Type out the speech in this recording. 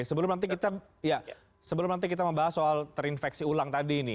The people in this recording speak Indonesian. sebelum nanti kita membahas soal terinfeksi ulang tadi ini